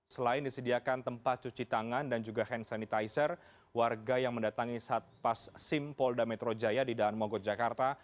selain disediakan tempat cuci tangan dan juga hand sanitizer warga yang mendatangi satpas sim polda metro jaya di daan mogot jakarta